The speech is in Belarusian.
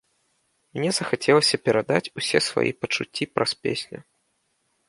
Мне захацелася перадаць усе свае пачуцці праз песню.